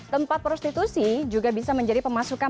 tempat prostitusi juga bisa menjadi pemasukan